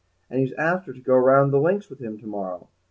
And he's asked her to go round the links with him to morrow.